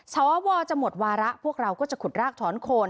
สวจะหมดวาระพวกเราก็จะขุดรากถอนโคน